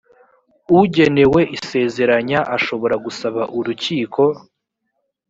ugenewe isezeranya ashobora gusaba urukiko